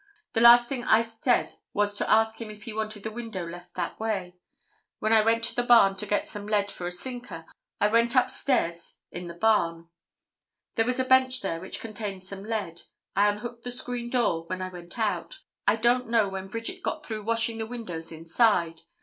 The last thing I said was to ask him if he wanted the window left that way. Then I went to the barn to get some lead for a sinker. I went upstairs in the barn. There was a bench there which contained some lead. I unhooked the screen door when I went out. I don't know when Bridget got through washing the windows inside.